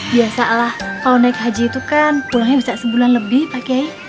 biasalah kalau naik haji itu kan pulangnya bisa sebulan lebih pak kiai